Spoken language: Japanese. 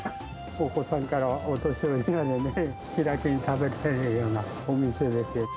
お子さんからお年寄りまでね、気楽に食べられるようなお店で。